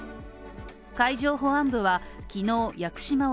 海上保安部は昨日屋久島沖